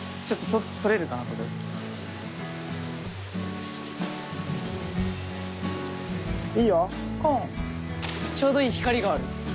ちょうどいい光がある。